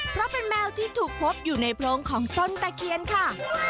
เพราะเป็นแมวที่ถูกพบอยู่ในโพรงของต้นตะเคียนค่ะ